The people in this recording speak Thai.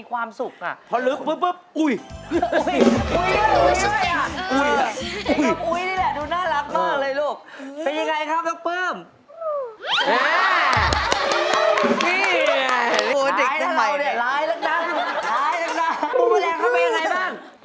คุณแรงทำงานไงบ้าง